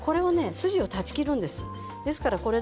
筋を断ち切るんです。